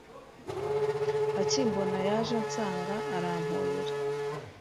akimbona yaje ansanga arampobera,